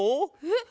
えっ？